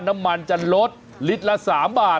น้ำมันจะลดลิตรละ๓บาท